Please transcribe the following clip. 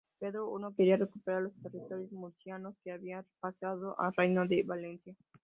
Pedro I quería recuperar los territorios murcianos que habían pasado al Reino de Valencia.